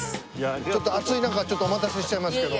ちょっと暑い中お待たせしちゃいますけど。